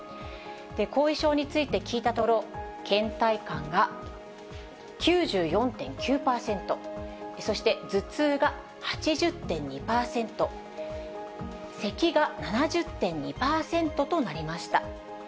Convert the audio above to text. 後遺症について聞いたところ、けん怠感が９４．９％、そして頭痛が８０．２％、せきが７０．２％となりました。